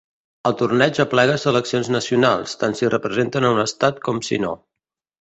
El torneig aplega seleccions nacionals, tant si representen a un Estat com si no.